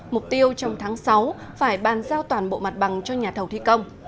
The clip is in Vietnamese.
mục tiêu trong tháng sáu phải bàn giao toàn bộ mặt bằng cho nhà thầu thi công